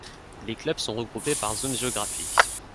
Les clubs sont regroupés par zones géographiques.